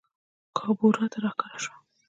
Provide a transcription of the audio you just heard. کابورا ته راښکاره سوو